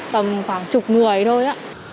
tầm khoảng chục người thôi